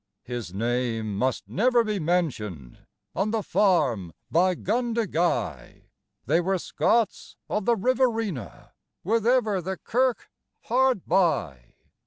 His name must never be mentioned on the farm by Gundagai They were Scots of the Riverina with ever the kirk hard by.